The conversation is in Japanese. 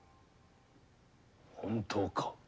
本当か？